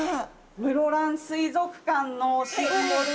室蘭水族館のシンボル